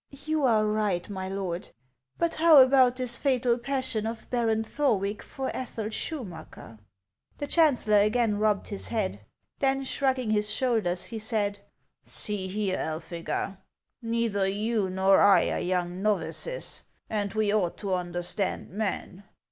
" You are right, my lord. But how about this fatal passion of Baron Thorwick for Ethel Schumacker?" The chancellor again rubbed his head. Then, shrug ging his shoulders, he said :" See here, Elphega ; neither you nor I are young novices, and we ought to understand men.